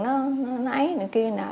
nó ấy này kia nè